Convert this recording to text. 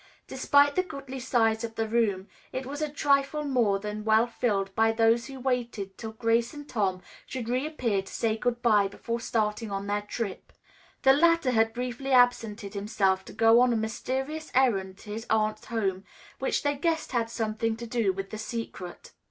Despite the goodly size of the room it was a trifle more than well filled by those who waited till Grace and Tom should reappear to say good bye before starting on their trip. The latter had briefly absented himself to go on a mysterious errand to his aunt's home, which they guessed had something to do with the secret.